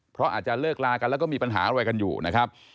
เพราะอาจจะเลิกลากันแล้วก็มีปัญหาอะไรกันอยู่นะครับ